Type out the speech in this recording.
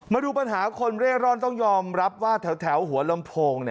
มาดูปัญหาคนเร่ร่อนต้องยอมรับว่าแถวหัวลำโพง